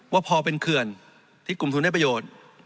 ว่าพอเป็นเขื่อนที่กลุ่มทุนได้ประโยชน์